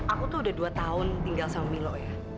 aku tuh udah dua tahun tinggal sama milo ya